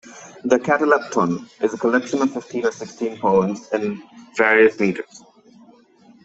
The "Catalepton" is a collection of fifteen or sixteen poems in various meters.